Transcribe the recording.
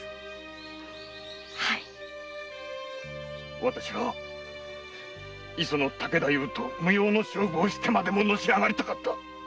はぃ私は磯野武太夫殿と無用の勝負をしてまでのし上がりたかった。